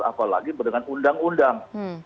apalagi dengan undang undang